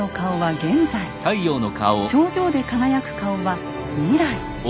頂上で輝く顔は「未来」。